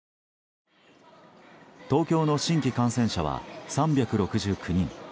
東京の新規感染者は３６９人。